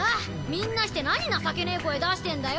みんなして何情けねぇ声出してんだよ。